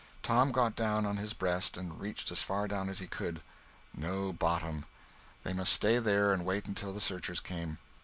Tom got down on his breast and reached as far down as he could. No bottom. They must stay there and wait until the searchers came.